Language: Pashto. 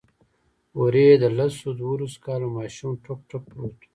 هورې د لس دولسو کالو ماشوم ټوک ټوک پروت و.